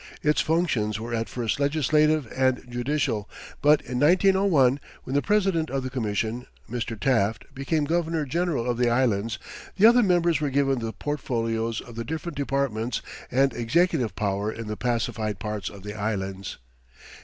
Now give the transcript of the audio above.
Its functions were at first legislative and judicial, but in 1901, when the president of the Commission, Mr. Taft, became Governor General of the Islands, the other members were given the portfolios of the different departments and executive power in the pacified parts of the Islands.